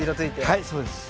はいそうです。